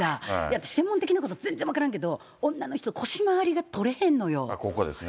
私、専門的なこと、全然分からんけど、女の人、ここですね。